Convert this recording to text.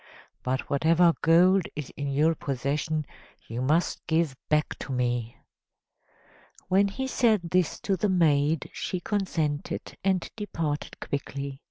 But whatever gold is in your possession you must give back to me." When he said this to the maid, she consented, and departed quickly.